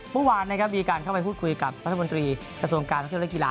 ทุกวันมีการเข้าไปพูดคุยกับประธานมนตรีกระทรวงการท่องเที่ยวและกีฬา